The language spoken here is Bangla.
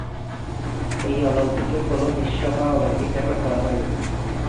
এই অলিম্পিকে কোনো বিশ্ব বা অলিম্পিক রেকর্ডটি গড়া হয়নি।